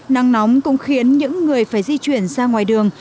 nắng nóng cũng khiến những người phải di chuyển ra ngoài đường